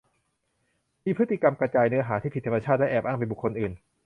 มีพฤติกรรมกระจายเนื้อหาที่ผิดธรรมชาติและแอบอ้างเป็นบุคคลอื่น